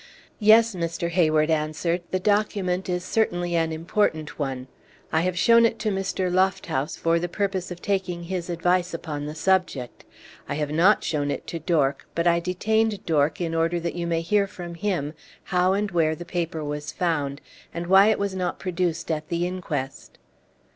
"Yes," Mr. Hayward answered, "the document is certainly an important one. I have shown it to Mr. Lofthouse, for the purpose of taking his advice upon the subject. I have not shown it to Dork; but I detained Dork in order that you may hear from him how and where the paper was found, and why it was not produced at the inquest."